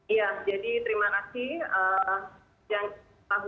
iya jadi terima kasih yang tahu